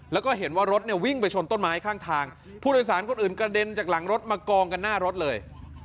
แล้วก็เห็นว่ารถเนี่ยวิ่งไปชนต้นไม้ข้างทางผู้โดยสารคนอื่นกระเด็นจากหลังรถมากองกันหน้ารถเลย